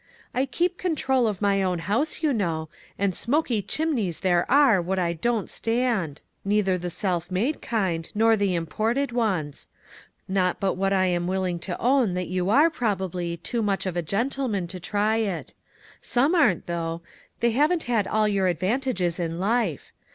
" I keep control of my own house, you know, and smoky chimneys there are what I don't stand ; neither the self made kind, nor the imported ones ; not but what I am willing to own that you are, probably, too much of a gentleman to try it. Some aren't, though. They haven't had your advantages in life.